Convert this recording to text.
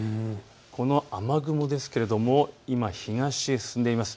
この雨雲ですが今、東へ進んでいます。